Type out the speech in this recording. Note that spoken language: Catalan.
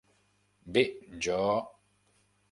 Bé, jo...